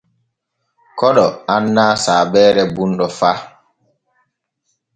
Koɗo annaa saabeere bunɗo fa.